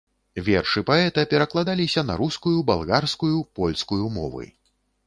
Вершы паэта перакладаліся на рускую, балгарскую, польскую мовы.